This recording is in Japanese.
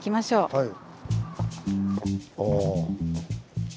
はい。